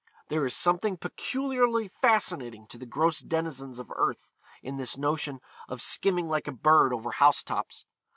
There is something peculiarly fascinating to the gross denizens of earth in this notion of skimming like a bird over house tops.